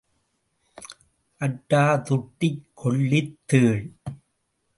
அட்டாதுட்டிக் கொள்ளித் தேள்.